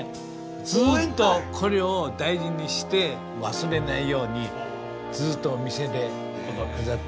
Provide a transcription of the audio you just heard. ずっとこれを大事にして忘れないようにずっとお店で飾ってます。